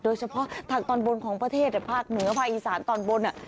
โดยเฉพาะทางตอนบนของประเทศภาคเหนือภาคอีสานตอนบน